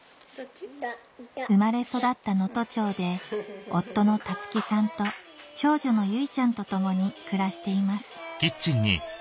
生まれ育った能登町で夫の樹さんと長女の結心ちゃんと共に暮らしています